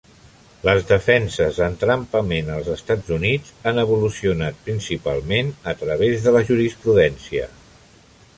Les defenses d'entrampament als Estats Units han evolucionat principalment a través de la jurisprudència.